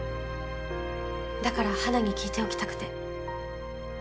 だから花に聞いておきたくて。